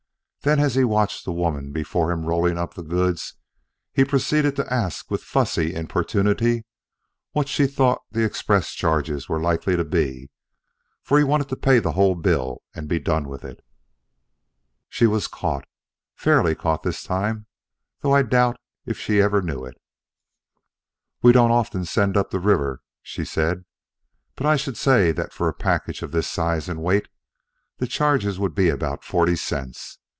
Then as he watched the woman before him rolling up the goods he proceeded to ask with fussy importunity what she thought the express charges were likely to be, for he wanted to pay the whole bill and be done with it. She was caught caught fairly this time, though I doubt if she ever knew it. "We don't often send up the river," said she. "But I should say that for a package of this size and weight the charges would be about forty cents.